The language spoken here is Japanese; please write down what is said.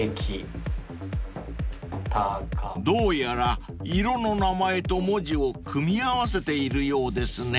［どうやら色の名前と文字を組み合わせているようですね］